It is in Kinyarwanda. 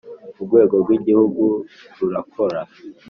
Urwego rw’ Igihugu rurakora